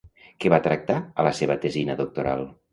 Què va tractar a la seva tesina doctoral?